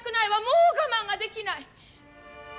もう我慢ができない。